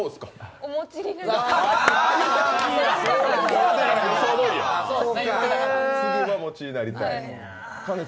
お餅になりたい。